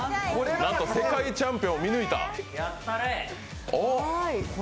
なんと、世界チャンピオンを見抜いた？